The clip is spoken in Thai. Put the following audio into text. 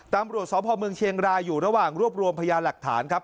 ตำรวจสพเมืองเชียงรายอยู่ระหว่างรวบรวมพยาหลักฐานครับ